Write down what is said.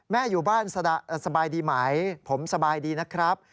อยู่บ้านสบายดีไหมผมสบายดีนะครับ